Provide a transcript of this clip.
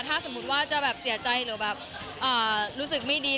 ถ้าสมมุติว่าจะแบบเสียใจหรือแบบรู้สึกไม่ดี